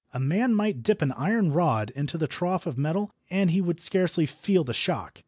A man might dip an iron rod into the trough of metal and he would scarcely feel the shock.